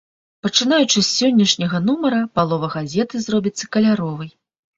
Пачынаючы з сённяшняга нумара палова газеты зробіцца каляровай.